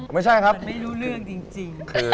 ไม่ใช่ครับไม่รู้เรื่องจริง